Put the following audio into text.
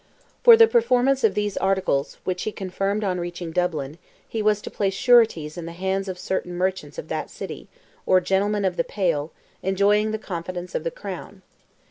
For the performance of these articles, which he confirmed on reaching Dublin, he was to place sureties in the hands of certain merchants of that city, or gentlemen of the Pale, enjoying the confidence of the Crown.